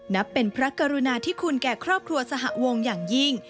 นับเป็นพระกรุณาที่คุณแก่ครอบครัวสหวงอย่างยิ่ง